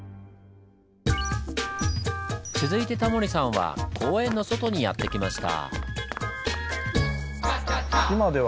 続いてタモリさんは公園の外にやって来ました。